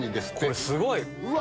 これすごい！